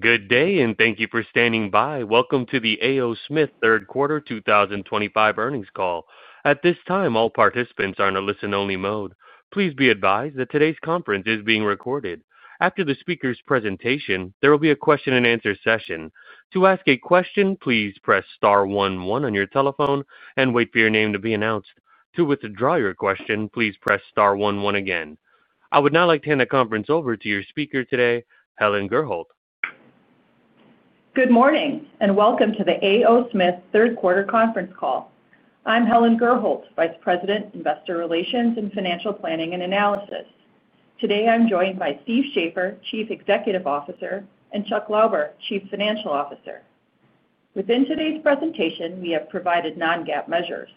Good day, and thank you for standing by. Welcome to the A. O. Smith third quarter 2025 earnings call. At this time, all participants are in a listen-only mode. Please be advised that today's conference is being recorded. After the speaker's presentation, there will be a question and answer session. To ask a question, please press star one one on your telephone and wait for your name to be announced. To withdraw your question, please press star one one again. I would now like to hand the conference over to your speaker today, Helen Gurholt. Good morning, and welcome to the A. O. Smith Third Quarter Conference Call. I'm Helen Gurholt, Vice President, Investor Relations and Financial Planning and Analysis. Today, I'm joined by Stephen Shafer, Chief Executive Officer, and Charles Lauber, Chief Financial Officer. Within today's presentation, we have provided non-GAAP measures.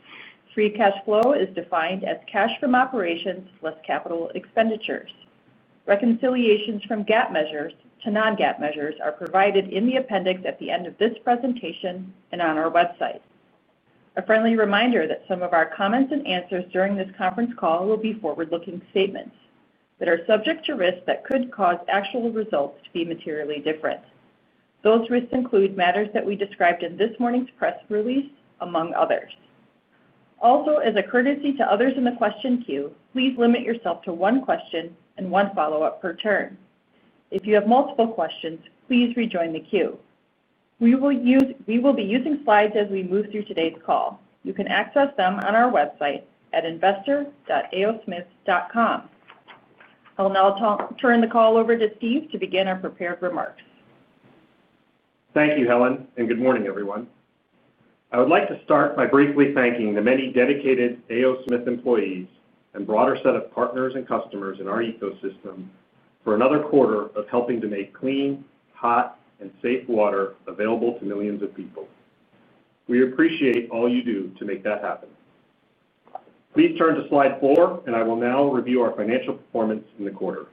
Free cash flow is defined as cash from operations plus capital expenditures. Reconciliations from GAAP measures to non-GAAP measures are provided in the appendix at the end of this presentation and on our website. A friendly reminder that some of our comments and answers during this conference call will be forward-looking statements that are subject to risks that could cause actual results to be materially different. Those risks include matters that we described in this morning's press release, among others. Also, as a courtesy to others in the question queue, please limit yourself to one question and one follow-up per turn. If you have multiple questions, please rejoin the queue. We will be using slides as we move through today's call. You can access them on our website at investor.aosmith.com. I'll now turn the call over to Steve to begin our prepared remarks. Thank you, Helen, and good morning, everyone. I would like to start by briefly thanking the many dedicated A. O. Smith employees and broader set of partners and customers in our ecosystem for another quarter of helping to make clean, hot, and safe water available to millions of people. We appreciate all you do to make that happen. Please turn to slide four, and I will now review our financial performance in the quarter.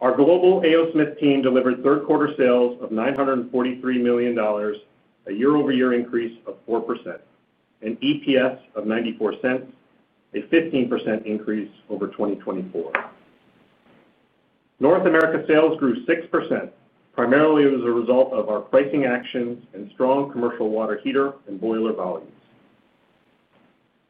Our global A. O. Smith team delivered third-quarter sales oi f $943 million, a year-over-year increase of 4%, and EPS of $0.94, a 15% increase over 2024. North America sales grew 6%, primarily as a result of our pricing actions and strong commercial water heater and boiler volumes.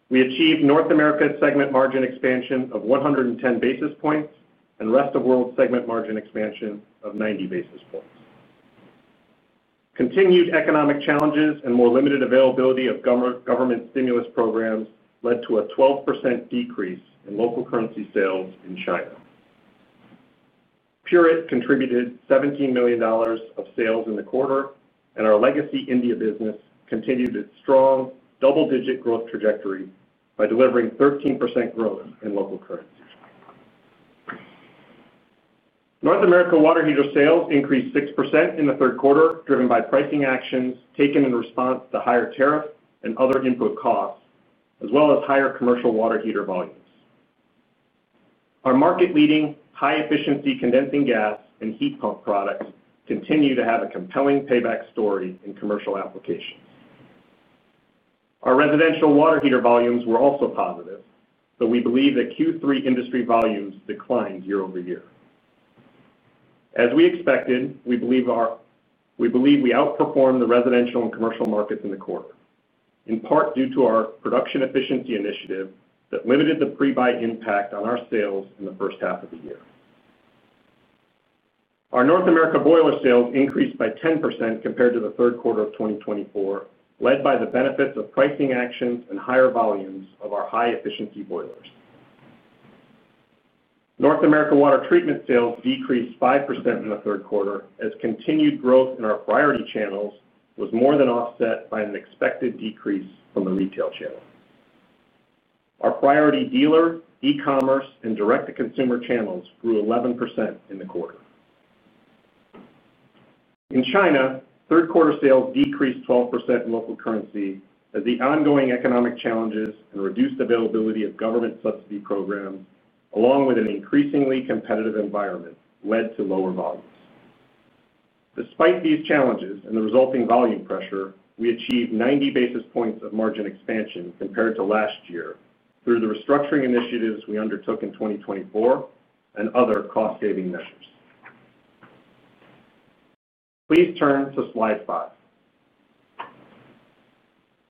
We achieved North America segment margin expansion of 110 basis points and rest of world segment margin expansion of 90 basis points. Continued economic challenges and more limited availability of government stimulus programs led to a 12% decrease in local currency sales in China. Pureit contributed $17 million of sales in the quarter, and our legacy India business continued its strong double-digit growth trajectory by delivering 13% growth in local currency. North America water heater sales increased 6% in the third quarter, driven by pricing actions taken in response to higher tariffs and other input costs, as well as higher commercial water heater volumes. Our market-leading high-efficiency condensing gas and heat pump products continue to have a compelling payback story in commercial applications. Our residential water heater volumes were also positive, but we believe that Q3 industry volumes declined year-over-year. As we expected, we believe we outperformed the residential and commercial markets in the quarter, in part due to our production efficiency initiative that limited the pre-buy impact on our sales in the first half of the year. Our North America boiler sales increased by 10% compared to the third quarter of 2024, led by the benefits of pricing actions and higher volumes of our high-efficiency boilers. North America water treatment sales decreased 5% in the third quarter, as continued growth in our priority channels was more than offset by an expected decrease from the retail channel. Our priority dealer, e-commerce, and direct-to-consumer channels grew 11% in the quarter. In China, third-quarter sales decreased 12% in local currency as the ongoing economic challenges and reduced availability of government subsidy programs, along with an increasingly competitive environment, led to lower volumes. Despite these challenges and the resulting volume pressure, we achieved 90 basis points of margin expansion compared to last year through the restructuring initiatives we undertook in 2024 and other cost-saving measures. Please turn to slide five.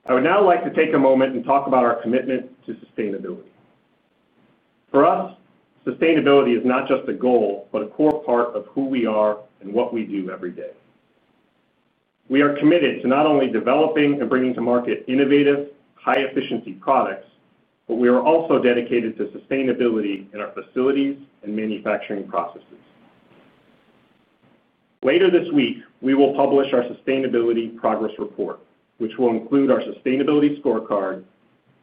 I would now like to take a moment and talk about our commitment to sustainability. For us, sustainability is not just a goal, but a core part of who we are and what we do every day. We are committed to not only developing and bringing to market innovative, high-efficiency products, but we are also dedicated to sustainability in our facilities and manufacturing processes. Later this week, we will publish our sustainability progress report, which will include our sustainability scorecard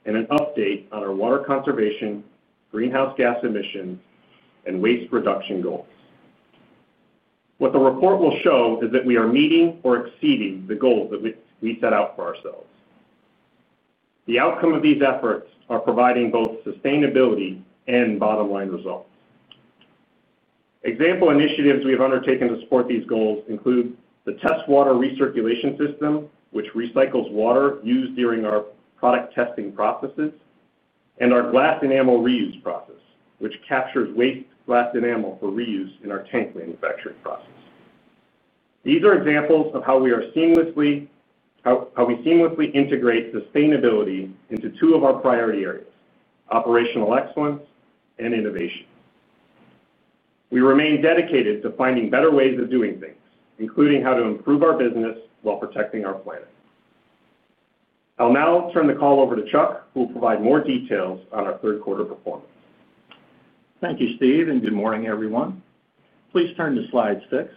and an update on our water conservation, greenhouse gas emissions, and waste reduction goals. What the report will show is that we are meeting or exceeding the goals that we set out for ourselves. The outcome of these efforts is providing both sustainability and bottom-line results. Example initiatives we have undertaken to support these goals include the test water recirculation system, which recycles water used during our product testing processes, and our glass enamel reuse process, which captures waste glass enamel for reuse in our tank manufacturing process. These are examples of how we seamlessly integrate sustainability into two of our priority areas, operational excellence and innovation. We remain dedicated to finding better ways of doing things, including how to improve our business while protecting our planet. I'll now turn the call over to Charles, who will provide more details on our third-quarter performance. Thank you, Steve, and good morning, everyone. Please turn to slide six.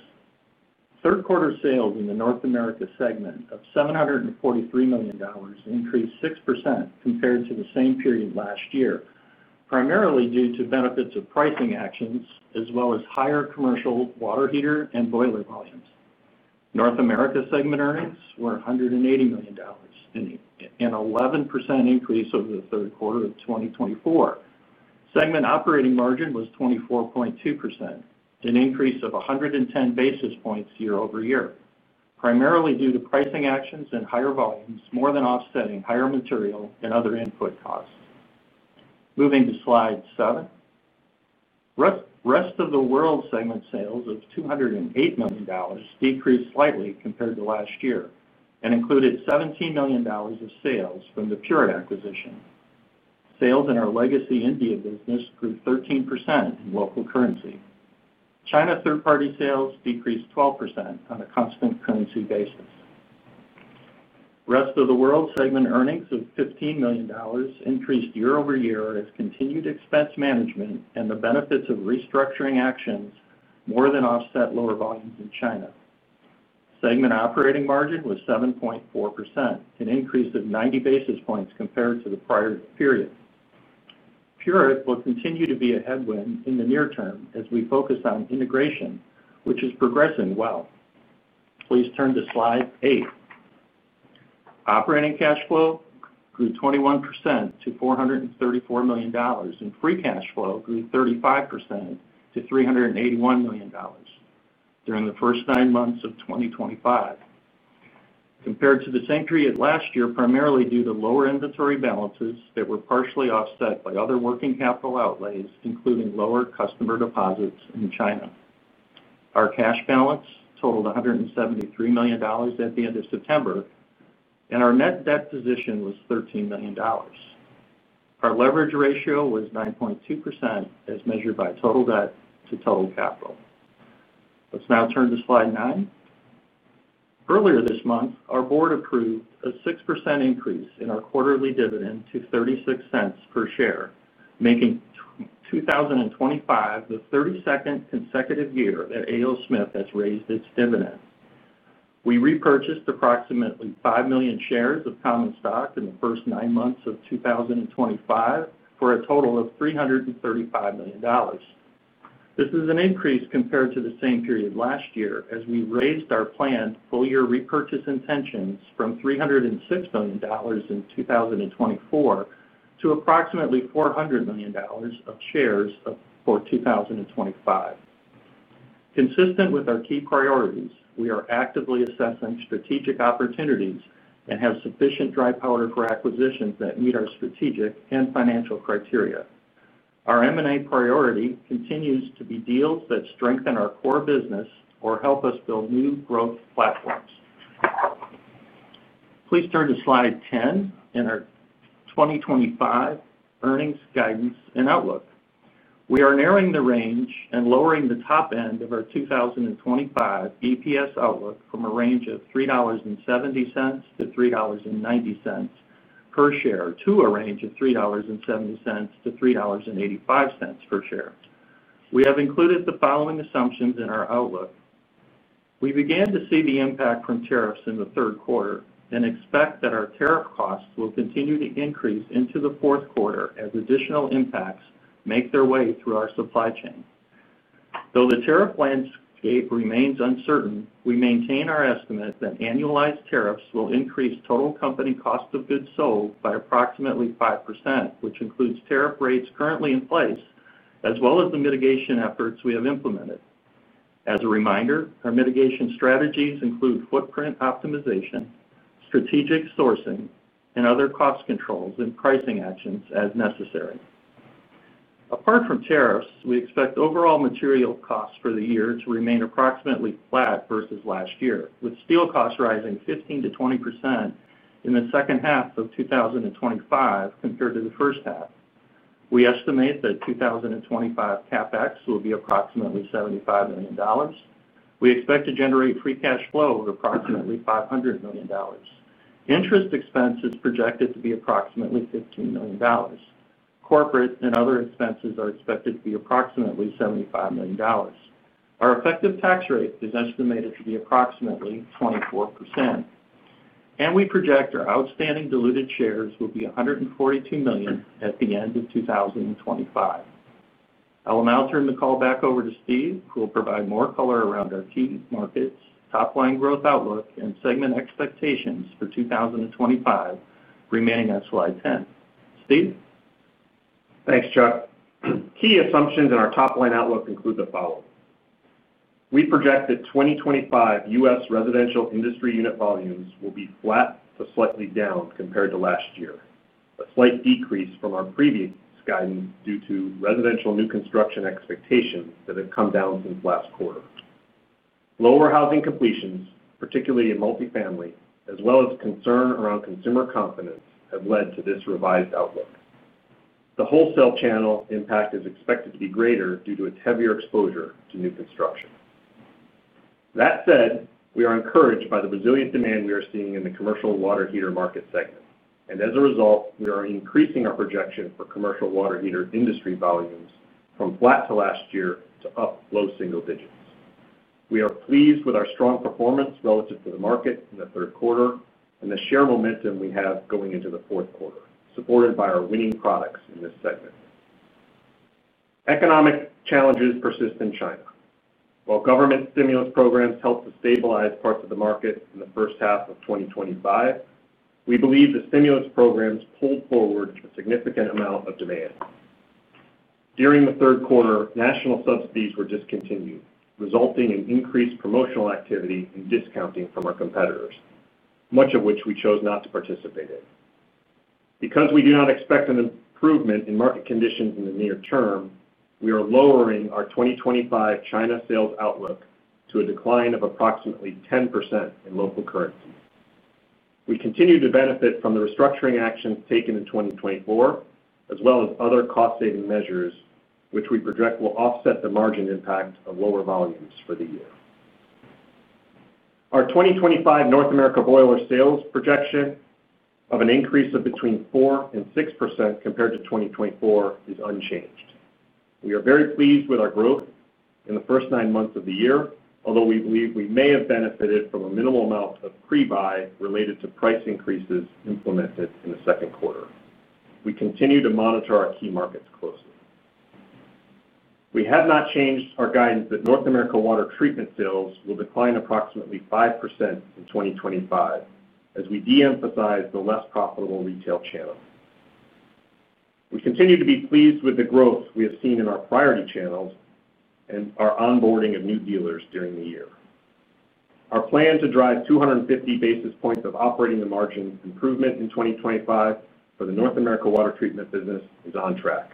Third-quarter sales in the North America segment of $743 million increased 6% compared to the same period last year, primarily due to benefits of pricing actions, as well as higher commercial water heater and boiler volumes. North America segment earnings were $180 million, an 11% increase over the third quarter of 2024. Segment operating margin was 24.2%, an increase of 110 basis points year-over-year, primarily due to pricing actions and higher volumes, more than offsetting higher material and other input costs. Moving to slide seven, rest of the world segment sales of $208 million decreased slightly compared to last year and included $17 million of sales from the Pureit acquisition. Sales in our legacy India business grew 13% in local currency. China third-party sales decreased 12% on a constant currency basis. Rest of the world segment earnings of $15 million increased year-over-year as continued expense management and the benefits of restructuring actions more than offset lower volumes in China. Segment operating margin was 7.4%, an increase of 90 basis points compared to the prior period. Pureit will continue to be a headwind in the near term as we focus on integration, which is progressing well. Please turn to slide eight. Operating cash flow grew 21% to $434 million, and free cash flow grew 35% to $381 million during the first nine months of 2025 compared to the same period last year, primarily due to lower inventory balances that were partially offset by other working capital outlays, including lower customer deposits in China. Our cash balance totaled $173 million at the end of September, and our net debt position was $13 million. Our leverage ratio was 9.2% as measured by total debt to total capital. Let's now turn to slide nine. Earlier this month, our board approved a 6% increase in our quarterly dividend to $0.36 per share, making 2025 the 32nd consecutive year that A. O. Smith has raised its dividends. We repurchased approximately 5 million shares of common stock in the first nine months of 2025 for a total of $335 million. This is an increase compared to the same period last year as we raised our planned full-year repurchase intentions from $306 million in 2024 to approximately $400 million of shares for 2025. Consistent with our key priorities, we are actively assessing strategic opportunities and have sufficient dry powder for acquisitions that meet our strategic and financial criteria. Our M&A priority continues to be deals that strengthen our core business or help us build new growth platforms. Please turn to slide 10 and our 2025 earnings guidance and outlook. We are narrowing the range and lowering the top end of our 2025 EPS outlook from a range of $3.70-$3.90 per share to a range of $3.70-$3.85 per share. We have included the following assumptions in our outlook. We began to see the impact from tariffs in the third quarter and expect that our tariff costs will continue to increase into the fourth quarter as additional impacts make their way through our supply chain. Though the tariff landscape remains uncertain, we maintain our estimate that annualized tariffs will increase total company cost of goods sold by approximately 5%, which includes tariff rates currently in place, as well as the mitigation efforts we have implemented. As a reminder, our mitigation strategies include footprint optimization, strategic sourcing, and other cost controls and pricing actions as necessary. Apart from tariffs, we expect overall material costs for the year to remain approximately flat versus last year, with steel costs rising 15%-20% in the second half of 2025 compared to the first half. We estimate that 2025 CapEx will be approximately $75 million. We expect to generate free cash flow of approximately $500 million. Interest expense is projected to be approximately $15 million. Corporate and other expenses are expected to be approximately $75 million. Our effective tax rate is estimated to be approximately 24%, and we project our outstanding diluted shares will be 142 million at the end of 2025. I will now turn the call back over to Steve, who will provide more color around our key markets, top-line growth outlook, and segment expectations for 2025, remaining on slide 10. Steve. Thanks, Charles. Key assumptions in our top-line outlook include the following. We project that 2025 U.S. residential industry unit volumes will be flat to slightly down compared to last year, a slight decrease from our previous guidance due to residential new construction expectations that have come down since last quarter. Lower housing completions, particularly in multifamily, as well as concern around consumer confidence, have led to this revised outlook. The wholesale channel impact is expected to be greater due to its heavier exposure to new construction. That said, we are encouraged by the resilient demand we are seeing in the commercial water heater market segment, and as a result, we are increasing our projection for commercial water heater industry volumes from flat to last year to up low single digits. We are pleased with our strong performance relative to the market in the third quarter and the share momentum we have going into the fourth quarter, supported by our winning products in this segment. Economic challenges persist in China. While government stimulus programs help to stabilize parts of the market in the first half of 2025, we believe the stimulus programs pulled forward a significant amount of demand. During the third quarter, national subsidies were discontinued, resulting in increased promotional activity and discounting from our competitors, much of which we chose not to participate in. Because we do not expect an improvement in market conditions in the near term, we are lowering our 2025 China sales outlook to a decline of approximately 10% in local currency. We continue to benefit from the restructuring actions taken in 2024, as well as other cost-saving measures, which we project will offset the margin impact of lower volumes for the year. Our 2025 North America boiler sales projection of an increase of between 4% and 6% compared to 2024 is unchanged. We are very pleased with our growth in the first nine months of the year, although we believe we may have benefited from a minimal amount of pre-buy related to price increases implemented in the second quarter. We continue to monitor our key markets closely. We have not changed our guidance that North America water treatment sales will decline approximately 5% in 2025, as we de-emphasize the less profitable retail channel. We continue to be pleased with the growth we have seen in our priority channels and our onboarding of new dealers during the year. Our plan to drive 250 basis points of operating margin improvement in 2025 for the North America water treatment business is on track.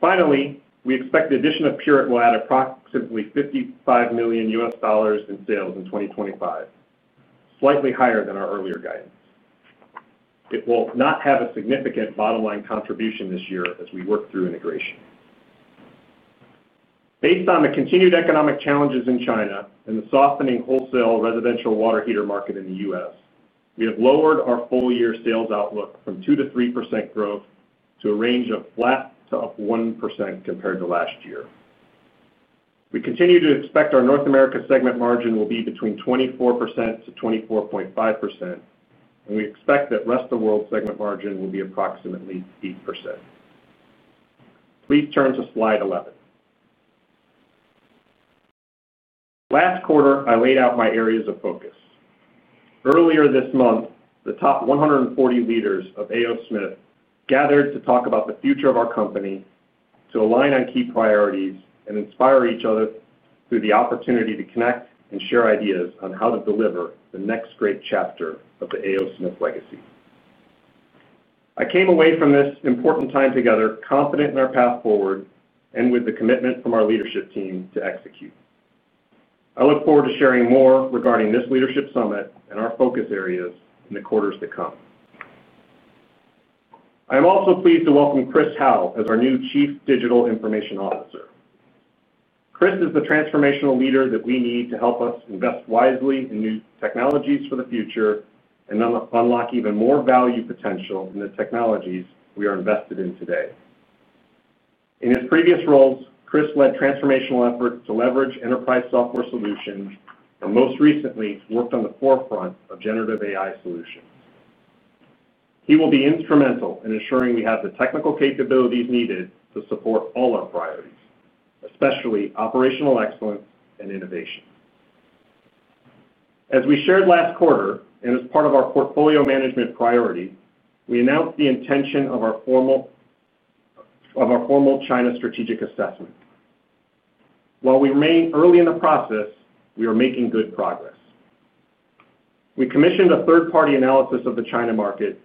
Finally, we expect the addition of Pureit will add approximately $55 million in sales in 2025, slightly higher than our earlier guidance. It will not have a significant bottom-line contribution this year as we work through integration. Based on the continued economic challenges in China and the softening wholesale residential water heater market in the U.S., we have lowered our full-year sales outlook from 2%-3% growth to a range of flat to up 1% compared to last year. We continue to expect our North America segment margin will be between 24%-24.5%, and we expect that the rest of the world segment margin will be approximately 8%. Please turn to slide 11. Last quarter, I laid out my areas of focus. Earlier this month, the top 140 leaders of A. O. Smith gathered to talk about the future of our company, to align on key priorities, and inspire each other through the opportunity to connect and share ideas on how to deliver the next great chapter of the A. O. Smith legacy. I came away from this important time together confident in our path forward and with the commitment from our leadership team to execute. I look forward to sharing more regarding this leadership summit and our focus areas in the quarters to come. I am also pleased to welcome Chris Howe as our new Chief Digital Information Officer. Chris is the transformational leader that we need to help us invest wisely in new technologies for the future and unlock even more value potential in the technologies we are invested in today. In his previous roles, Chris led transformational efforts to leverage enterprise software solutions and most recently worked on the forefront of generative AI solutions. He will be instrumental in ensuring we have the technical capabilities needed to support all our priorities, especially operational excellence and innovation. As we shared last quarter and as part of our portfolio management priority, we announced the intention of our formal China strategic assessment. While we remain early in the process, we are making good progress. We commissioned a third-party analysis of the China market,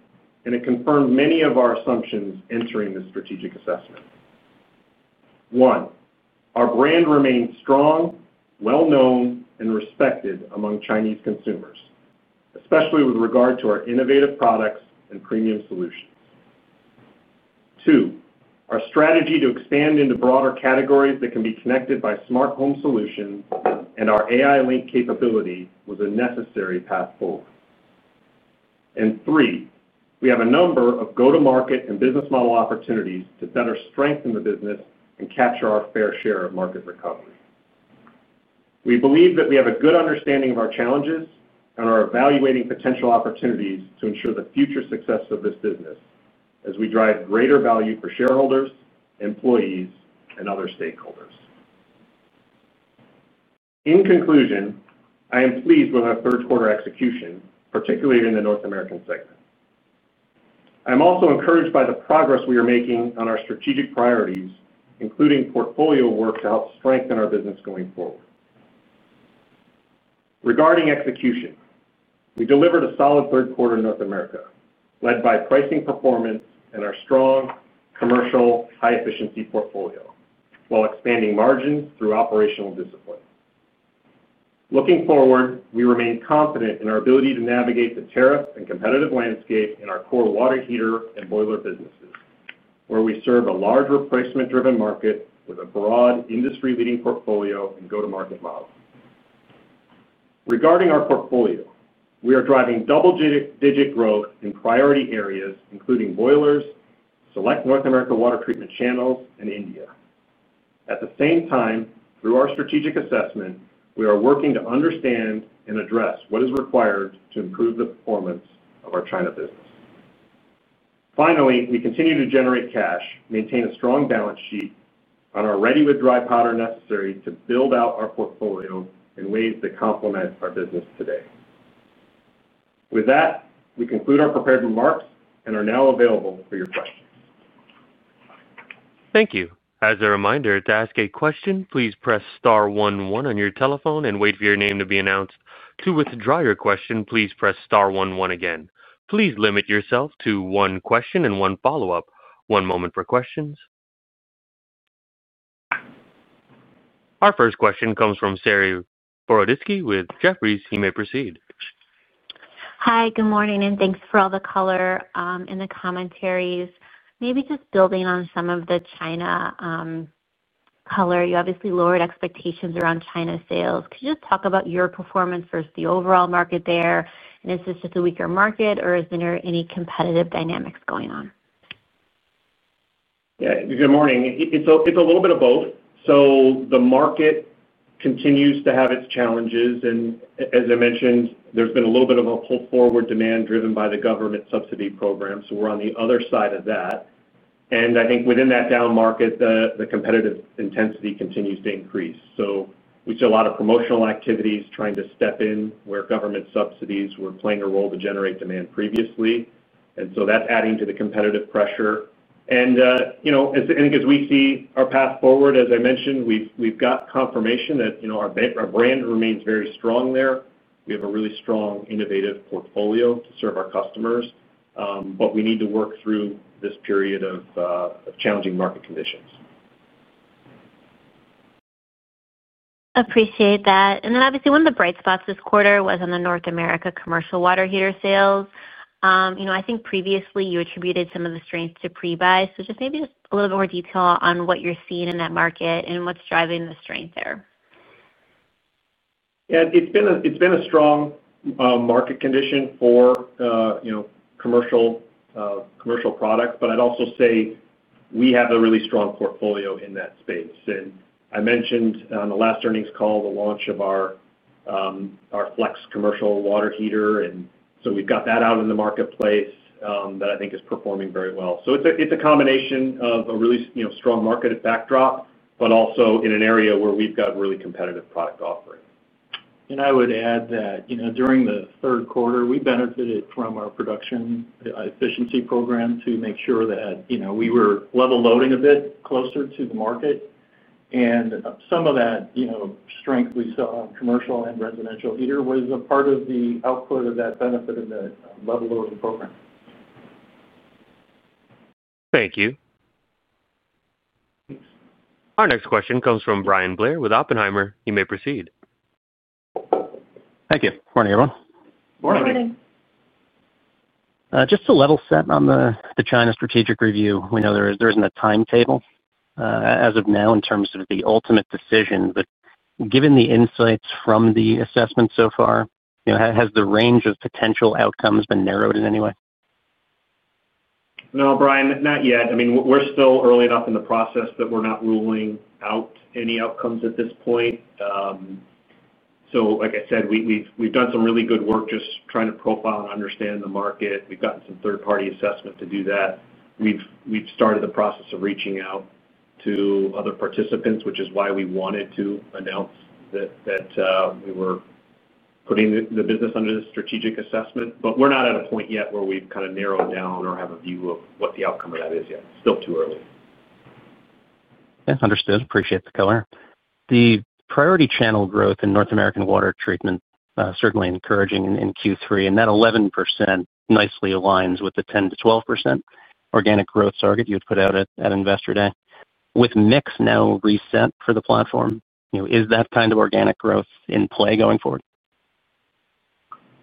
and it confirmed many of our assumptions entering the strategic assessment. One, our brand remains strong, well-known, and respected among Chinese consumers, especially with regard to our innovative products and premium solutions. Two, our strategy to expand into broader categories that can be connected by smart home solutions and our AI link capability was a necessary path forward. Three, we have a number of go-to-market and business model opportunities to better strengthen the business and capture our fair share of market recovery. We believe that we have a good understanding of our challenges and are evaluating potential opportunities to ensure the future success of this business as we drive greater value for shareholders, employees, and other stakeholders. In conclusion, I am pleased with our third-quarter execution, particularly in the North American segment. I'm also encouraged by the progress we are making on our strategic priorities, including portfolio work to help strengthen our business going forward. Regarding execution, we delivered a solid third quarter in North America, led by pricing performance and our strong commercial high-efficiency portfolio, while expanding margins through operational discipline. Looking forward, we remain confident in our ability to navigate the tariff and competitive landscape in our core water heater and boiler businesses, where we serve a large replacement-driven market with a broad industry-leading portfolio and go-to-market model. Regarding our portfolio, we are driving double-digit growth in priority areas, including boilers, select North America water treatment channels, and India. At the same time, through our strategic assessment, we are working to understand and address what is required to improve the performance of our China business. Finally, we continue to generate cash, maintain a strong balance sheet, and are ready with dry powder necessary to build out our portfolio in ways that complement our business today. With that, we conclude our prepared remarks and are now available for your questions. Thank you. As a reminder, to ask a question, please press star one one on your telephone and wait for your name to be announced. To withdraw your question, please press star one one again. Please limit yourself to one question and one follow-up. One moment for questions. Our first question comes from Sarah Boroditsky with Jefferies. You may proceed. Hi, good morning, and thanks for all the color in the commentaries. Maybe just building on some of the China color, you obviously lowered expectations around China sales. Could you just talk about your performance versus the overall market there? Is this just a weaker market, or is there any competitive dynamics going on? Good morning. It's a little bit of both. The market continues to have its challenges, and as I mentioned, there's been a little bit of a pull forward demand driven by the government subsidy program. We're on the other side of that. I think within that down market, the competitive intensity continues to increase. We see a lot of promotional activities trying to step in where government subsidies were playing a role to generate demand previously, and that's adding to the competitive pressure. I think as we see our path forward, as I mentioned, we've got confirmation that our brand remains very strong there. We have a really strong innovative portfolio to serve our customers, but we need to work through this period of challenging market conditions. Appreciate that. Obviously, one of the bright spots this quarter was on the North America commercial water heater sales. I think previously you attributed some of the strengths to pre-buy. Maybe just a little bit more detail on what you're seeing in that market and what's driving the strength there. Yeah, it's been a strong market condition for, you know, commercial products, but I'd also say we have a really strong portfolio in that space. I mentioned on the last earnings call the launch of our Flex commercial water heater, and we've got that out in the marketplace that I think is performing very well. It's a combination of a really strong market backdrop, but also in an area where we've got really competitive product offerings. I would add that during the third quarter, we benefited from our production efficiency program to make sure that we were level-loading a bit closer to the market. Some of that strength we saw in commercial and residential water heater was a part of the output of that benefit in the level-loading program. Thank you. Our next question comes from Bryan Blair with Oppenheimer. You may proceed. Thank you. Morning, everyone. Morning. Good morning. Just to level set on the China strategic review, we know there isn't a timetable as of now in terms of the ultimate decision. Given the insights from the assessment so far, has the range of potential outcomes been narrowed in any way? No, Bryan, not yet. We're still early enough in the process that we're not ruling out any outcomes at this point. Like I said, we've done some really good work just trying to profile and understand the market. We've gotten some third-party assessment to do that. We've started the process of reaching out to other participants, which is why we wanted to announce that we were putting the business under the strategic assessment. We're not at a point yet where we've kind of narrowed down or have a view of what the outcome of that is yet. It's still too early. Yeah, understood. Appreciate the color. The priority channel growth in North American water treatment is certainly encouraging in Q3, and that 11% nicely aligns with the 10%-12% organic growth target you'd put out at Investor Day. With mix now reset for the platform, you know, is that kind of organic growth in play going forward?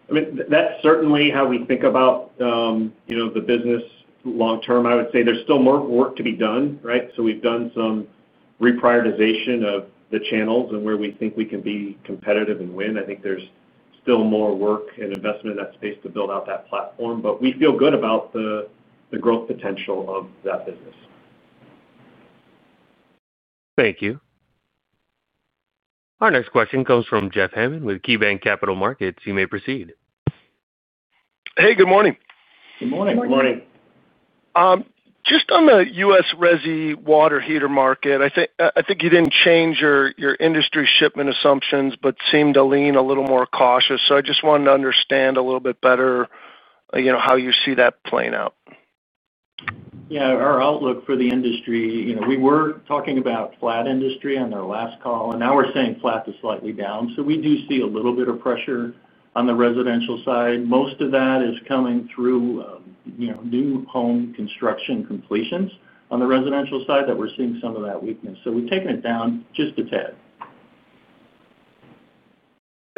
That's certainly how we think about the business long term. I would say there's still more work to be done, right? We've done some reprioritization of the channels and where we think we can be competitive and win. I think there's still more work and investment in that space to build out that platform, but we feel good about the growth potential of that business. Thank you. Our next question comes from Jeff Hammond with KeyBanc Capital Markets. You may proceed. Hey, good morning. Good morning. Morning. Good morning. Just on the U.S. resi water heater market, I think you didn't change your industry shipment assumptions, but seemed to lean a little more cautious. I just wanted to understand a little bit better, you know, how you see that playing out. Yeah, our outlook for the industry, you know, we were talking about flat industry on our last call, and now we're seeing flat to slightly down. We do see a little bit of pressure on the residential side. Most of that is coming through new home construction completions on the residential side that we're seeing some of that weakness. We've taken it down just a tad.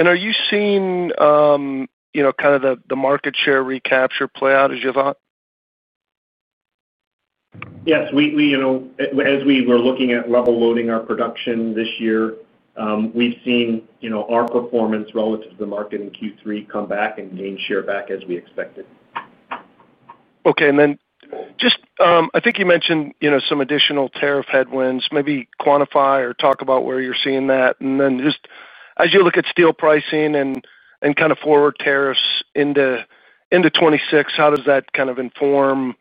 Are you seeing, you know, kind of the market share recapture play out as you thought? Yes, as we were looking at level-loading our production this year, we've seen our performance relative to the market in Q3 come back and gain share back as we expected. Okay. I think you mentioned some additional tariff headwinds. Maybe quantify or talk about where you're seeing that. As you look at steel pricing and kind of forward tariffs into 2026, how does that kind of inform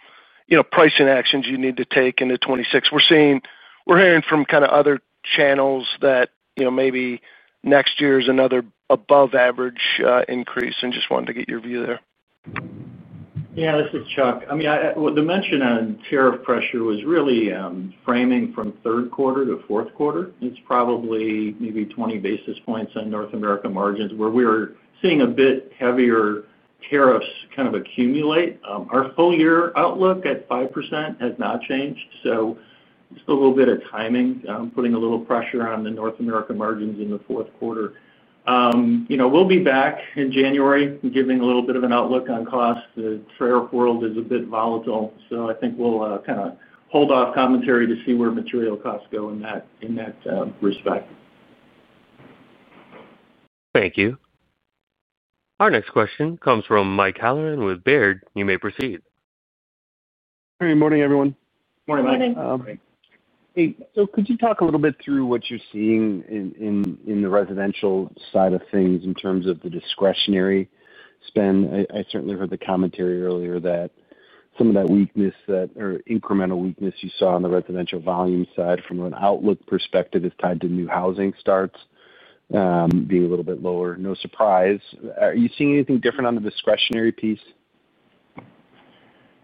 pricing actions you need to take into 2026? We're seeing, we're hearing from other channels that maybe next year is another above-average increase, and just wanted to get your view there. Yeah, this is Charles. The mention on tariff pressure was really framing from third quarter to fourth quarter. It's probably maybe 20 basis points on North America margins where we're seeing a bit heavier tariffs kind of accumulate. Our full-year outlook at 5% has not changed. It's a little bit of timing, putting a little pressure on the North America margins in the fourth quarter. We'll be back in January giving a little bit of an outlook on costs. The tariff world is a bit volatile. I think we'll kind of hold off commentary to see where material costs go in that respect. Thank you. Our next question comes from Mike Halloran with Baird. You may proceed. Hey, good morning, everyone. Morning. Morning. Could you talk a little bit through what you're seeing in the residential side of things in terms of the discretionary spend? I certainly heard the commentary earlier that some of that weakness or incremental weakness you saw on the residential volume side from an outlook perspective is tied to new housing starts being a little bit lower. No surprise. Are you seeing anything different on the discretionary piece?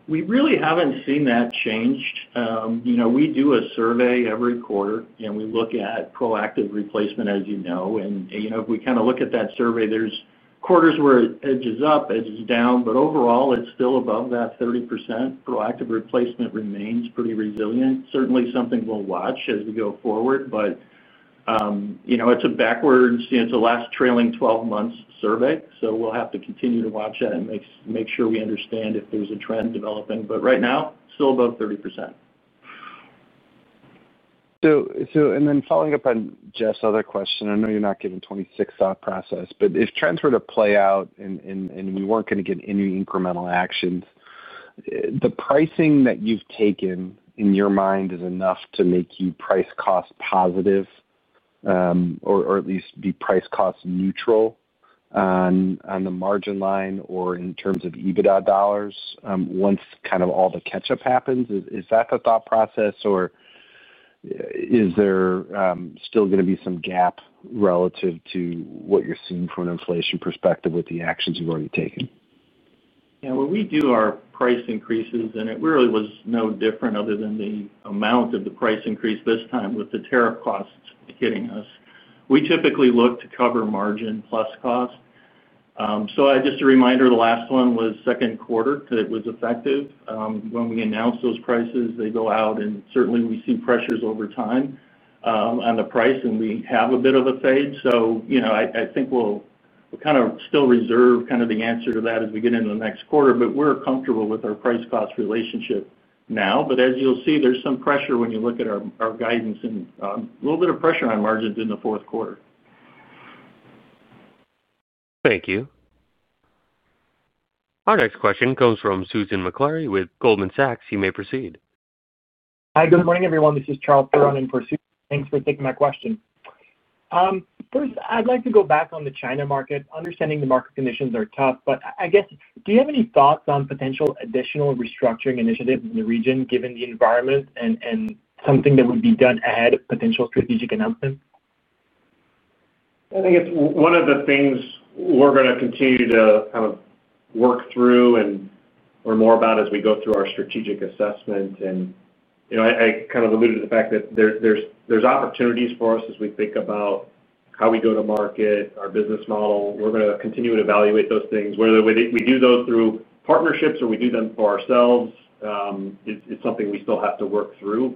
We really haven't seen that change. We do a survey every quarter, and we look at proactive replacement, as you know. If we kind of look at that survey, there are quarters where it edges up, edges down, but overall, it's still above that 30%. Proactive replacement remains pretty resilient. Certainly, something we'll watch as we go forward. It's a backwards, it's a last trailing 12 months survey. We will have to continue to watch that and make sure we understand if there's a trend developing. Right now, still above 30%. Following up on Jeff's other question, I know you're not giving a 2026 process, but if trends were to play out and we were not going to get any incremental actions, the pricing that you've taken in your mind is enough to make you price cost positive, or at least be price cost neutral on the margin line or in terms of EBITDA dollars once kind of all the catch-up happens. Is that the thought process, or is there still going to be some gap relative to what you're seeing from an inflation perspective with the actions you've already taken? Yeah, when we do our price increases, it really was no different other than the amount of the price increase this time with the tariff costs hitting us. We typically look to cover margin plus cost. Just a reminder, the last one was second quarter that it was effective. When we announced those prices, they go out, and certainly, we see pressures over time on the price, and we have a bit of a fade. I think we'll kind of still reserve kind of the answer to that as we get into the next quarter, but we're comfortable with our price cost relationship now. As you'll see, there's some pressure when you look at our guidance and a little bit of pressure on margins in the fourth quarter. Thank you. Our next question comes from Susan Maklari with Goldman Sachs. You may proceed. Hi, good morning, everyone. This is Charles. Thanks for taking my question. First, I'd like to go back on the China market. Understanding the market conditions are tough, but I guess, do you have any thoughts on potential additional restructuring initiatives in the region given the environment and something that would be done ahead of potential strategic announcements? I think it's one of the things we're going to continue to kind of work through and learn more about as we go through our strategic assessment. I kind of alluded to the fact that there's opportunities for us as we think about how we go to market, our business model. We're going to continue to evaluate those things, whether we do those through partnerships or we do them for ourselves. It's something we still have to work through.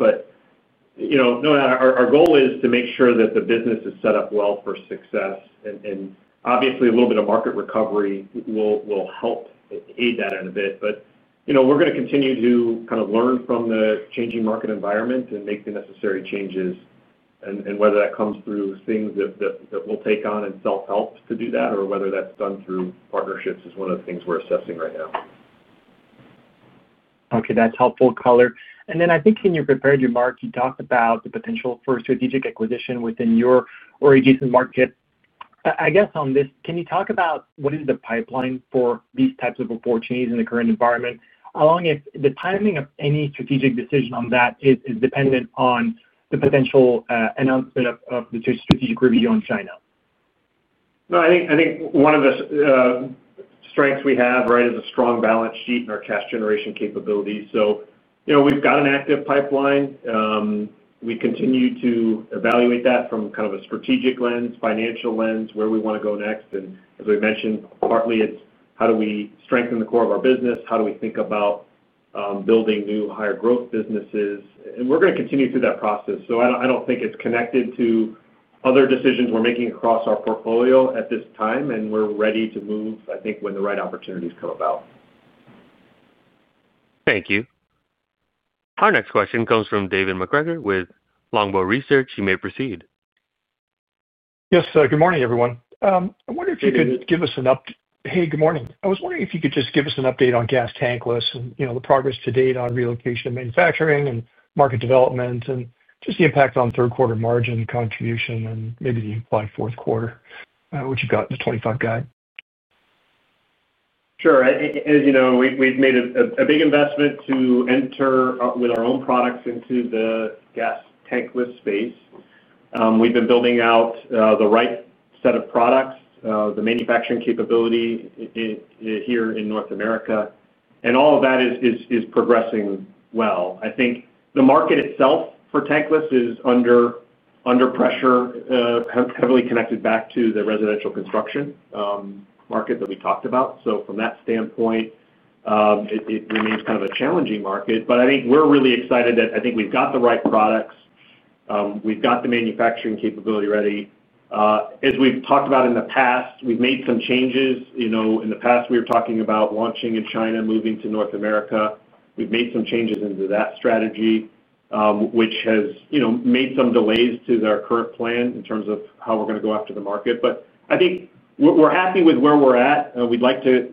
No matter what, our goal is to make sure that the business is set up well for success. Obviously, a little bit of market recovery will help aid that in a bit. We're going to continue to kind of learn from the changing market environment and make the necessary changes. Whether that comes through things that we'll take on in self-help to do that, or whether that's done through partnerships is one of the things we're assessing right now. Okay, that's helpful color. I think in your prepared remark, you talked about the potential for strategic acquisition within your or adjacent market. I guess on this, can you talk about what is the pipeline for these types of opportunities in the current environment, along with the timing of any strategic decision on that is dependent on the potential announcement of the strategic review on China? I think one of the strengths we have, right, is a strong balance sheet and our cash generation capabilities. We've got an active pipeline. We continue to evaluate that from kind of a strategic lens, financial lens, where we want to go next. As we mentioned, partly it's how do we strengthen the core of our business? How do we think about building new, higher growth businesses? We're going to continue through that process. I don't think it's connected to other decisions we're making across our portfolio at this time. We're ready to move, I think, when the right opportunities come about. Thank you. Our next question comes from David MacGregor with Longbow Research. You may proceed. Good morning, everyone. I was wondering if you could just give us an update on gas tankless and the progress to date on relocation and manufacturing and market development, and just the impact on third quarter margin contribution and maybe the implied fourth quarter, which you've got the 25 guide. Sure. As you know, we've made a big investment to enter with our own products into the gas tankless space. We've been building out the right set of products, the manufacturing capability here in North America, and all of that is progressing well. I think the market itself for tankless is under pressure, heavily connected back to the residential construction market that we talked about. From that standpoint, it remains kind of a challenging market. I think we're really excited that we've got the right products. We've got the manufacturing capability ready. As we've talked about in the past, we've made some changes. In the past, we were talking about launching in China, moving to North America. We've made some changes into that strategy, which has made some delays to our current plan in terms of how we're going to go after the market. I think we're happy with where we're at. We'd like to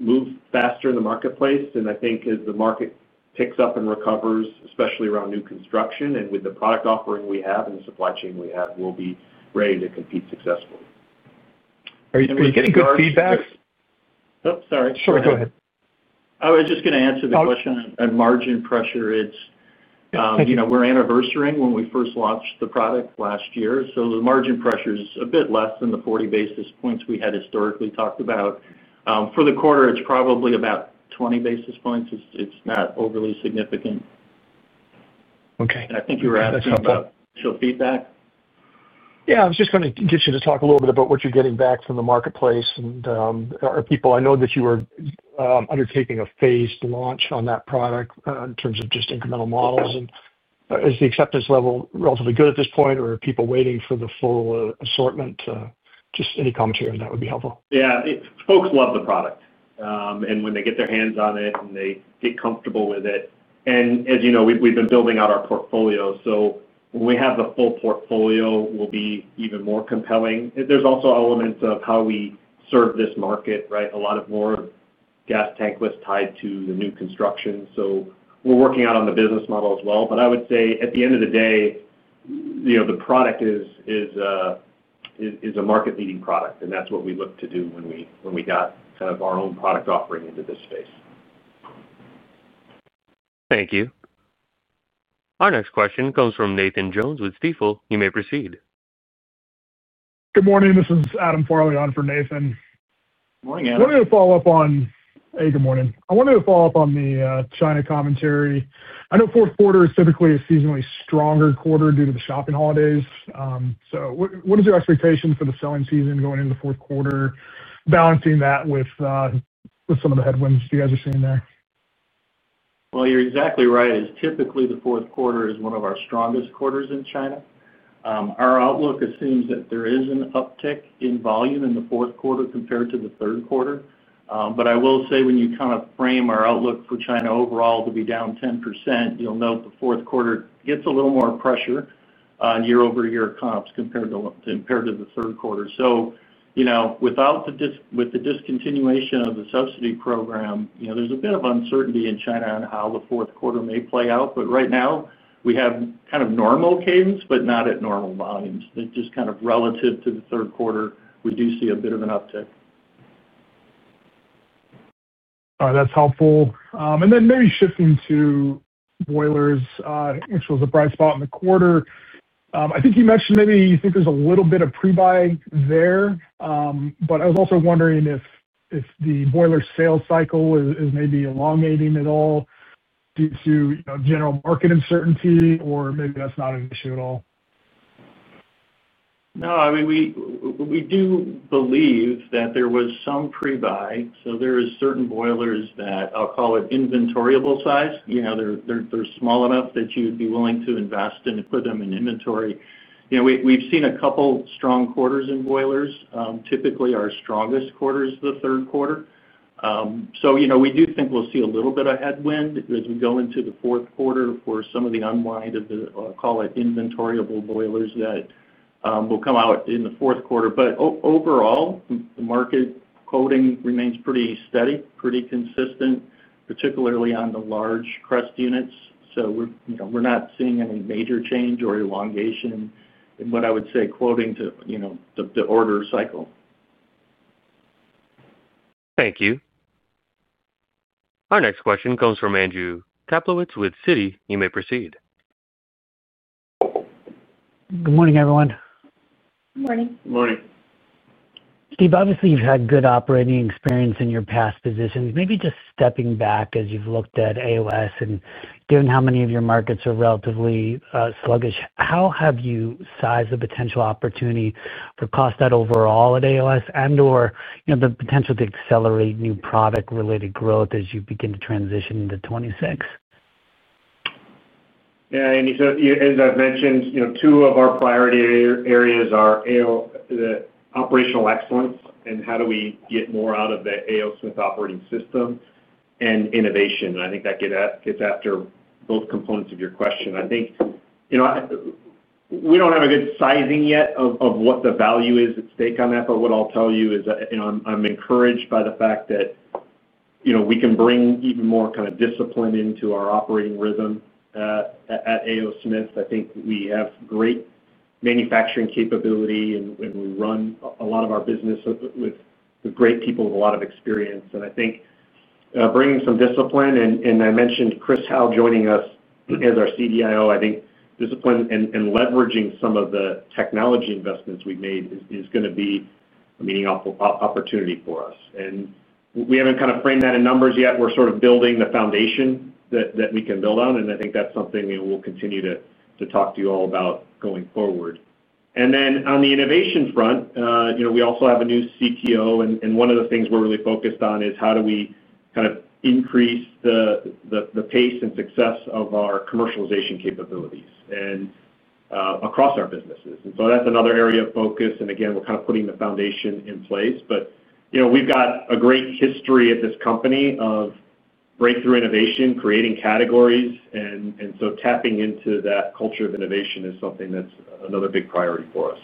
move faster in the marketplace. I think as the market picks up and recovers, especially around new construction and with the product offering we have and the supply chain we have, we'll be ready to compete successfully. Are you getting good feedback? Oh, sorry. Sure, go ahead. I was just going to answer the question on margin pressure. You know, we're anniversary when we first launched the product last year. The margin pressure is a bit less than the 40 basis points we had historically talked about. For the quarter, it's probably about 20 basis points. It's not overly significant. Okay. I think you were asking about initial feedback. Yeah, I was just going to get you to talk a little bit about what you're getting back from the marketplace. Are people, I know that you were undertaking a phased launch on that product in terms of just incremental models. Is the acceptance level relatively good at this point, or are people waiting for the full assortment? Any commentary on that would be helpful. Yeah, folks love the product. When they get their hands on it and they get comfortable with it, as you know, we've been building out our portfolio. When we have the full portfolio, we'll be even more compelling. There are also elements of how we serve this market, right? A lot more gas tankless tied to the new construction. We're working out on the business model as well. I would say at the end of the day, the product is a market-leading product. That's what we look to do when we got kind of our own product offering into this space. Thank you. Our next question comes from Nathan Jones with Stifel. You may proceed. Good morning. This is Adam Farley on for Nathan. Morning, Adam. I wanted to follow up on the China commentary. I know fourth quarter is typically a seasonally stronger quarter due to the shopping holidays. What is your expectation for the selling season going into the fourth quarter, balancing that with some of the headwinds you guys are seeing there? You're exactly right. Typically, the fourth quarter is one of our strongest quarters in China. Our outlook assumes that there is an uptick in volume in the fourth quarter compared to the third quarter. I will say when you kind of frame our outlook for China overall to be down 10%, you'll note the fourth quarter gets a little more pressure on year-over-year comps compared to the third quarter. Without the discontinuation of the subsidy program, there's a bit of uncertainty in China on how the fourth quarter may play out. Right now, we have kind of normal cadence, but not at normal volumes. It's just kind of relative to the third quarter, we do see a bit of an uptick. All right, that's helpful. Maybe shifting to boilers, which was a bright spot in the quarter. I think you mentioned maybe you think there's a little bit of pre-buy there. I was also wondering if the boiler sales cycle is maybe elongating at all due to general market uncertainty, or maybe that's not an issue at all. No, I mean, we do believe that there was some pre-buy. There are certain boilers that I'll call inventoryable size. They're small enough that you'd be willing to invest and put them in inventory. We've seen a couple of strong quarters in boilers. Typically, our strongest quarter is the third quarter. We do think we'll see a little bit of headwind as we go into the fourth quarter for some of the unwind of the, I'll call it, inventoryable boilers that will come out in the fourth quarter. Overall, the market quoting remains pretty steady, pretty consistent, particularly on the large crest units. We're not seeing any major change or elongation in what I would say quoting to the order cycle. Thank you. Our next question comes from Andrew Kaplowitz with Citi. You may proceed. Good morning, everyone. Good morning. Good morning. Steve, obviously, you've had good operating experience in your past positions. Maybe just stepping back as you've looked at AOS and given how many of your markets are relatively sluggish, how have you sized the potential opportunity for cost out overall at AOS and/or the potential to accelerate new product-related growth as you begin to transition into 2026? Yeah, Andy, as I've mentioned, two of our priority areas are operational excellence and how do we get more out of the A. O. Smith operating system and innovation. I think that gets after both components of your question. We don't have a good sizing yet of what the value is at stake on that. What I'll tell you is I'm encouraged by the fact that we can bring even more kind of discipline into our operating rhythm at A. O. Smith. I think we have great manufacturing capability, and we run a lot of our business with great people with a lot of experience. I think bringing some discipline, and I mentioned Chris Howe joining us as our CDIO, I think discipline and leveraging some of the technology investments we've made is going to be a meaningful opportunity for us. We haven't kind of framed that in numbers yet. We're sort of building the foundation that we can build on. I think that's something we'll continue to talk to you all about going forward. On the innovation front, we also have a new CTO, and one of the things we're really focused on is how do we kind of increase the pace and success of our commercialization capabilities across our businesses. That's another area of focus. Again, we're kind of putting the foundation in place. We've got a great history at this company of breakthrough innovation, creating categories. Tapping into that culture of innovation is something that's another big priority for us.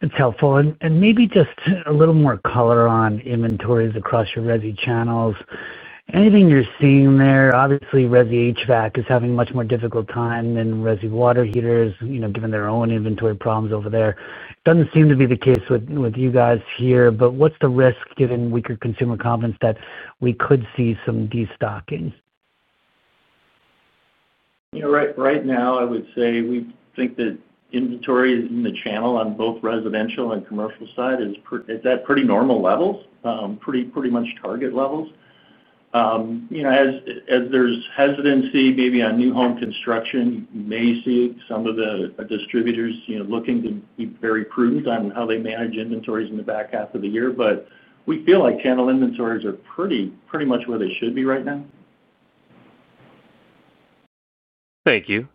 That's helpful. Maybe just a little more color on inventories across your resi channels. Anything you're seeing there? Obviously, resi HVAC is having a much more difficult time than resi water heaters, given their own inventory problems over there. It doesn't seem to be the case with you guys here, but what's the risk given weaker consumer confidence that we could see some destocking? Right now, I would say we think that inventory in the channel on both residential and commercial side is at pretty normal levels, pretty much target levels. As there's hesitancy maybe on new home construction, you may see some of the distributors looking to be very prudent on how they manage inventories in the back half of the year. We feel like channel inventories are pretty much where they should be right now. Thank you.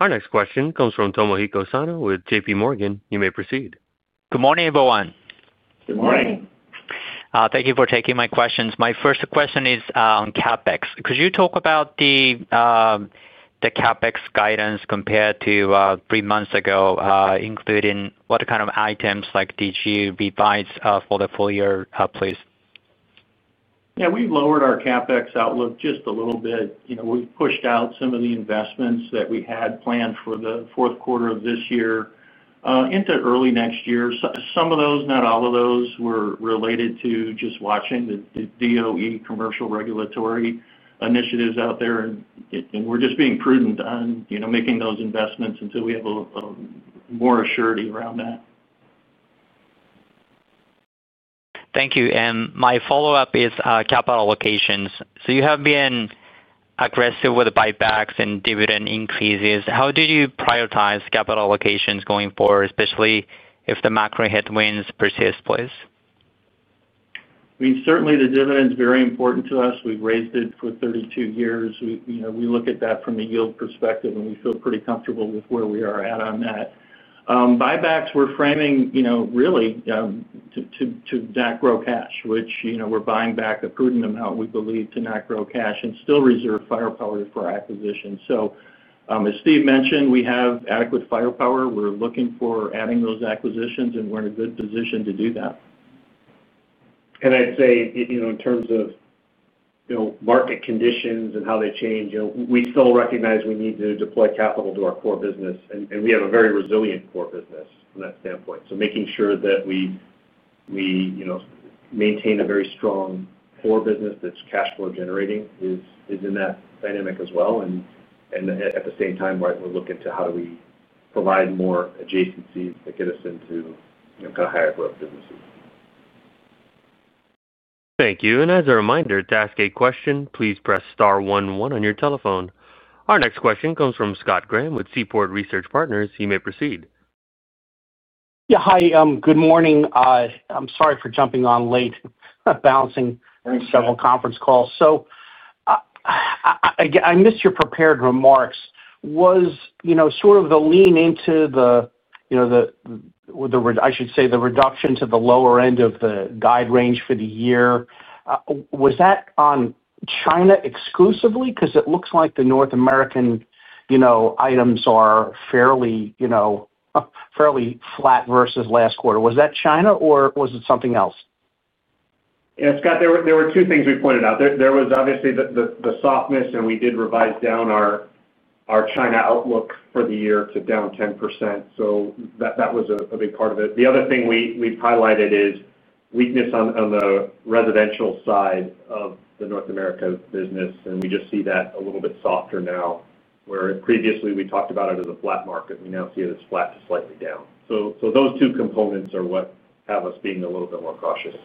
Our next question comes from Tomohiko Sano with JPMorgan. You may proceed. Good morning, everyone. Good morning. Thank you for taking my questions. My first question is on CapEx. Could you talk about the CapEx guidance compared to three months ago, including what kind of items did you revise for the full year, please? Yeah, we've lowered our CapEx outlook just a little bit. We've pushed out some of the investments that we had planned for the fourth quarter of this year into early next year. Some of those, not all of those, were related to just watching the DOE commercial regulatory initiatives out there. We're just being prudent on making those investments until we have more assurity around that. Thank you. My follow-up is capital allocation. You have been aggressive with the buybacks and dividend increases. How do you prioritize capital allocation going forward, especially if the macro headwinds persist, please? Certainly, the dividend is very important to us. We've raised it for 32 years. We look at that from a yield perspective, and we feel pretty comfortable with where we are at on that. Buybacks, we're framing really to not grow cash, which we're buying back a prudent amount, we believe, to not grow cash and still reserve firepower for acquisitions. As Steve mentioned, we have adequate firepower. We're looking for adding those acquisitions, and we're in a good position to do that. I'd say, in terms of market conditions and how they change, we still recognize we need to deploy capital to our core business. We have a very resilient core business from that standpoint. Making sure that we maintain a very strong core business that's cash flow generating is in that dynamic as well. At the same time, we'll look into how do we provide more adjacency to get us into kind of higher growth businesses. Thank you. As a reminder, to ask a question, please press star one one on your telephone. Our next question comes from Scott Graham with Seaport Research Partners. You may proceed. Yeah, hi. Good morning. I'm sorry for jumping on late, balancing several conference calls. I missed your prepared remarks. Was the reduction to the lower end of the guide range for the year on China exclusively? It looks like the North American items are fairly flat versus last quarter. Was that China or was it something else? Yeah, Scott, there were two things we pointed out. There was obviously the softness, and we did revise down our China outlook for the year to down 10%. That was a big part of it. The other thing we've highlighted is weakness on the residential side of the North America business. We just see that a little bit softer now, where previously we talked about it as a flat market. We now see it as flat to slightly down. Those two components are what have us being a little bit more cautious.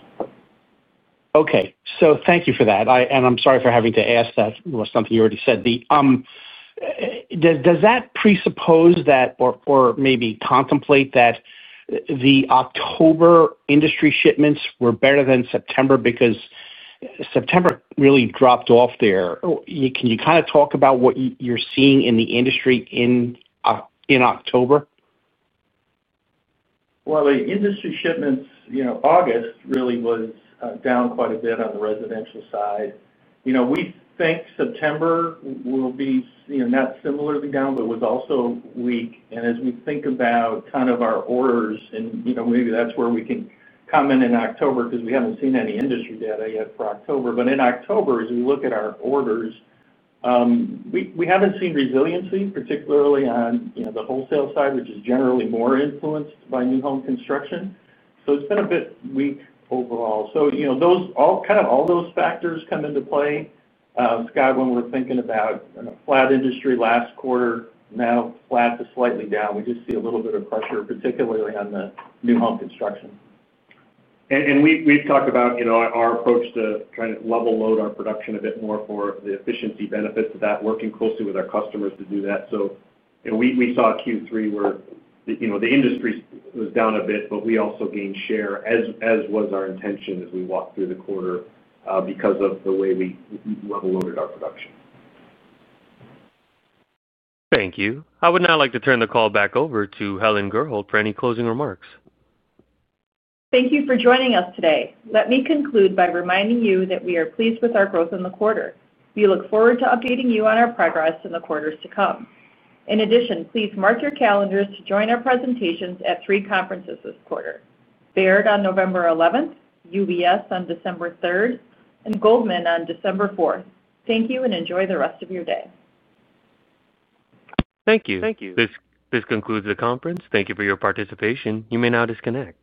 Thank you for that. I'm sorry for having to ask that. It was something you already said. Does that presuppose that or maybe contemplate that the October industry shipments were better than September because September really dropped off there? Can you kind of talk about what you're seeing in the industry in October? The industry shipments, you know, August really was down quite a bit on the residential side. We think September will be, you know, not similarly down, but was also weak. As we think about kind of our orders, and you know, maybe that's where we can come in in October because we haven't seen any industry data yet for October. In October, as we look at our orders, we haven't seen resiliency, particularly on the wholesale side, which is generally more influenced by new home construction. It's been a bit weak overall. Those all kind of all those factors come into play. Scott, when we're thinking about a flat industry last quarter, now flat to slightly down, we just see a little bit of pressure, particularly on the new home construction. We've talked about, you know, our approach to trying to level-load our production a bit more for the efficiency benefits of that, working closely with our customers to do that. We saw Q3 where, you know, the industry was down a bit, but we also gained share, as was our intention as we walked through the quarter because of the way we level-loaded our production. Thank you. I would now like to turn the call back over to Helen Gurholt for any closing remarks. Thank you for joining us today. Let me conclude by reminding you that we are pleased with our growth in the quarter. We look forward to updating you on our progress in the quarters to come. In addition, please mark your calendars to join our presentations at three conferences this quarter: Baird on November 11th, UBS on December 3rd, and Goldman on December 4th. Thank you and enjoy the rest of your day. Thank you. Thank you. This concludes the conference. Thank you for your participation. You may now disconnect.